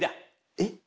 えっ？